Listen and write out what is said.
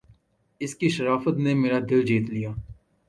اس کی شرافت نے میرا دل جیت لیا